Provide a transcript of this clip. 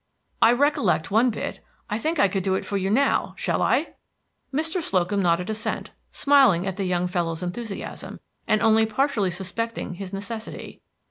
I recollect one bit. I think I could do it for you now. Shall I?" Mr. Slocum nodded assent, smiling at the young fellow's enthusiasm, and only partially suspecting his necessity.